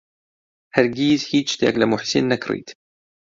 هەرگیز هیچ شتێک لە موحسین نەکڕیت.